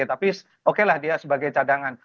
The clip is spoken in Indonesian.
tapi okelah dia sebagai cadangan